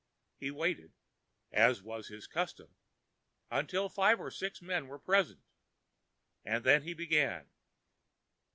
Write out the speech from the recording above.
He waited, as was his custom, until five or six men were present, and then he began.